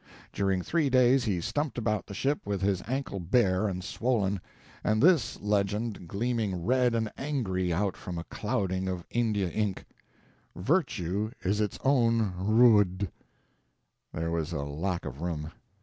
During three days he stumped about the ship with his ankle bare and swollen, and this legend gleaming red and angry out from a clouding of India ink: "Virtue is its own R'd." (There was a lack of room.)